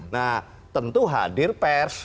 nah tentu hadir pers